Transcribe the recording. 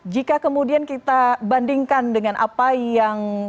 jika kemudian kita bandingkan dengan apa yang